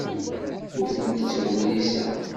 Ur tent-ttwenniseɣ.